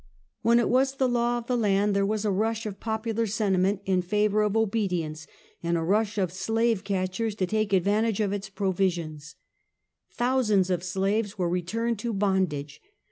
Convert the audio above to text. When it was the law of the land, tliere was a rush of popular sentiment in favor of obedience, and a rush of slave catchers to take advantage of its provisions. Thousands of slaves were returned to bondage.